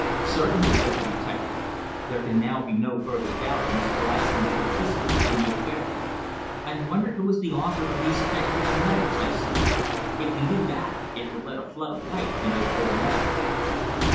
"Certainly," said the detective. "There can now be no further doubt of Miss Glaslyn's complicity in the affair." "I wonder who is the author of these type written letters?" I said. "If we knew that, it would let a flood of light into the whole matter."